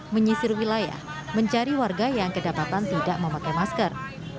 menyisir wilayah mencari warga yang kedapatan tidak memakai masker